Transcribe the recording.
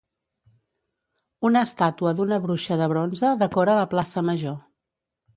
Una estàtua d'una bruixa de bronze decora la plaça major.